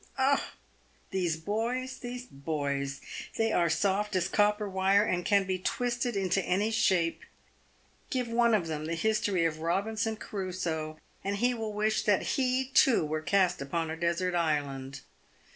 Oh ! these boys, these boys ! They are soft as copper wire, and can be twisted into any shape. Give one of them the history of " Robinson Crusoe," and he will wish that he, too, were cast upon a desert island.